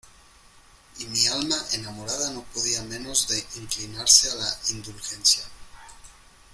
y mi alma enamorada no podía menos de inclinarse a la indulgencia.